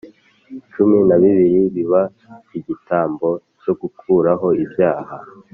cumi n abiri biba igitambo cyo gukuraho ibyaha